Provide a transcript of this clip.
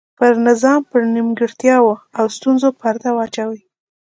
پر نظام پر نیمګړتیاوو او ستونزو پرده واچوي.